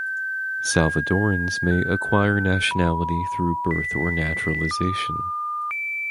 Salvadorans may acquire nationality through birth or naturalization.